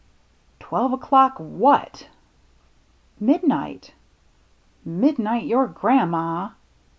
"Twelve o'clock what !"" Midnight." " Midnight your gran' ma